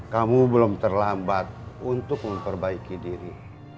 kamu belum terlambat untuk memperbaiki diri